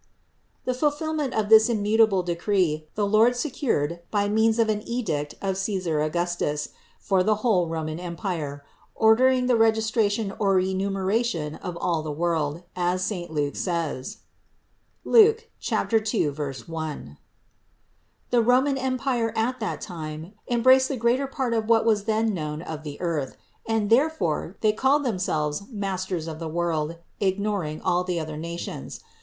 The fulfillment of this immutable de cree the Lord secured by means of an edict of Caesar Augustus for the whole Roman empire, ordering the registration or enumeration of all the world, as saint Luke says (Luke 2, 1). The Roman empire at that time embraced the greater part of what was then known of the earth and therefore they called themselves masters of the world, ignoring all the other nations.